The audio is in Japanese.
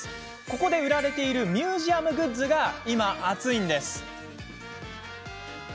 ここで売られているミュージアムグッズが今、熱いんです。